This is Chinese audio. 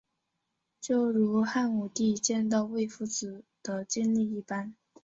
就如汉武帝见到卫子夫的经历一般。